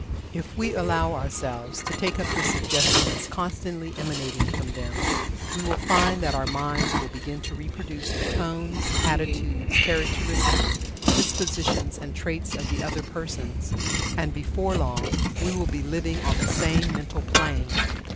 If we allow ourselves to take up the suggestions constantly emanating from them, we will find that our minds will begin to reproduce the tones, attitudes, characteristics, dispositions and traits of the other persons, and before long we will be living on the same mental plane.